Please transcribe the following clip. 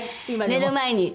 寝る前に。